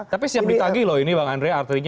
tapi siap ditagi loh ini bang andre